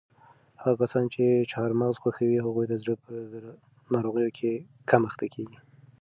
هغه کسان چې چهارمغز خوښوي هغوی د زړه په ناروغیو کم اخته کیږي.